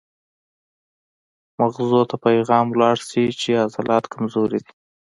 مزغو ته پېغام لاړ شي چې عضلات کمزوري دي